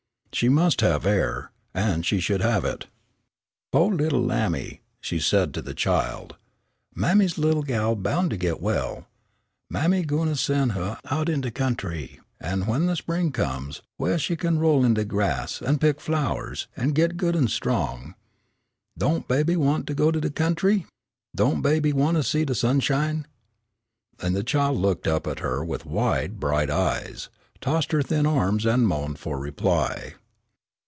She must have air, and she should have it. "Po' little lammie," she said to the child, "Mammy's little gal boun' to git well. Mammy gwine sen' huh out in de country when the spring comes, whaih she kin roll in de grass an' pick flowers an' git good an' strong. Don' baby want to go to de country? Don' baby want to see de sun shine?" And the child had looked up at her with wide, bright eyes, tossed her thin arms and moaned for reply.